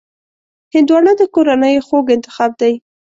هندوانه د کورنیو خوږ انتخاب دی.